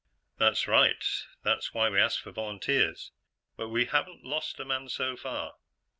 "That's right. That's why we ask for volunteers. But we haven't lost a man so far.